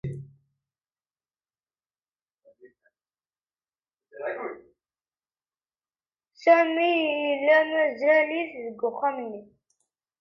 Sami yella mazal-it deg uxxam-nni.